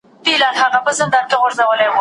فدايي سلطان محمد تائب کندهارى